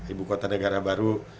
ibu kota negara baru